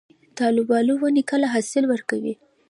د الوبالو ونې کله حاصل ورکوي؟